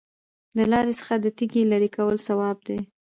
د لارې څخه د تیږې لرې کول ثواب دی.